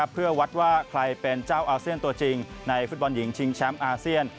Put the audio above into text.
เพื่อวัดว่าใครเป็นเจ้าอาเซียนตัวจริงในฟุตบอลหญิงชิงแชมป์อาเซียน